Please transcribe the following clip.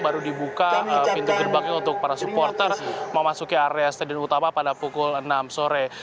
baru dibuka pintu gerbangnya untuk para supporter memasuki area stadion utama pada pukul enam sore